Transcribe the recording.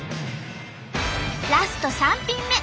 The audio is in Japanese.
ラスト３品目